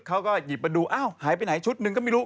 เขาก็หยิบมาดูอ้าวหายไปไหนชุดหนึ่งก็ไม่รู้